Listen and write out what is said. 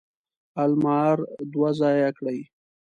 المار دوه ځایه کړي.